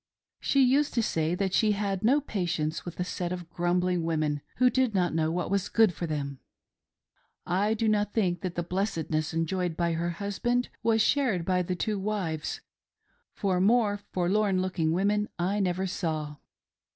She used to say that she had no patience with a set of grumbling women who did not know what was good for them. I do not think that the blessed ness enjoyed by her husband was shared by the two wives, for more forlorn looking women I never saw.